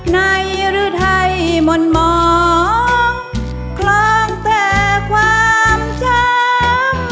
ในฤทัยหม่อนมองคล้องแต่ความจำ